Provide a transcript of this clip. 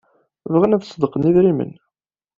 Bɣan ad ṣeddqen idrimen.